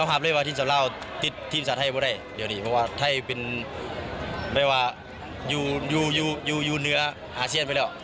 ย่อฮาร์มส่วนใหญ่ก็เต้นทีมสร้างในไทยเพราะไทยก็อยู่เหนืออาเซียนไปได้